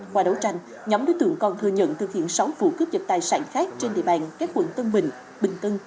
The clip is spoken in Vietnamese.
qua đấu tranh nhóm đối tượng còn thừa nhận thực hiện sáu vụ cướp dật tài sản khác trên địa bàn các quận tân bình bình tân